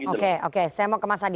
oke oke saya mau ke mas adi